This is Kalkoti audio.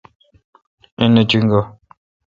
ایں نہ چینگہ۔۔